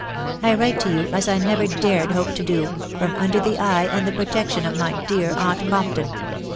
I write to you, as I never dared hope to do, from under the eye and the protection of my dear aunt Compton.